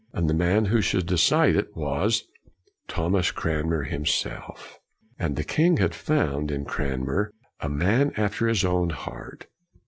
And the man who should decide it was Thomas Cranmer himself. For the king had found, in Cranmer, a man after his own heart.